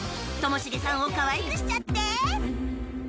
ともしげさんをかわいくしちゃって！